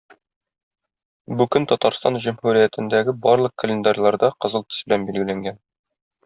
Бу көн Татарстан Җөмһүриятендәге барлык календарьларда кызыл төс белән билгеләнгән.